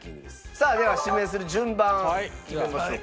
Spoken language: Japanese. さあでは指名する順番決めましょう。